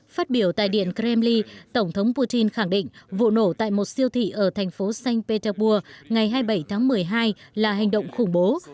phát biểu tại điện kremli tổng thống putin khẳng định vụ nổ tại một siêu thị ở thành phố sanh peterburg ngày hai mươi bảy tháng một mươi hai là hành động khủng bố